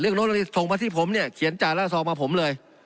เรื่องโน้ทที่ส่งมาที่ผมเนี่ยเขียนจ่าล่าซองมาผมเลย